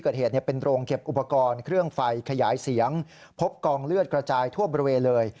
เก็บอุปกรณ์เครื่องไฟขยายเสียงพบกองเลือดกระจายทั่วบริเวณเลย